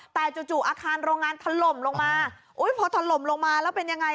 แต่จู่อาคารโรงงานถล่มลงมาอุ้ยพอถล่มลงมาแล้วเป็นยังไง